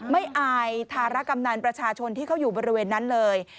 อายธารกำนันประชาชนที่เขาอยู่บริเวณนั้นเลย